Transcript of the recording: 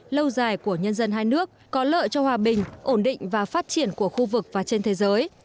lâu dài của nhân dân hai nước có lợi cho hòa bình ổn định và phát triển của khu vực và trên thế giới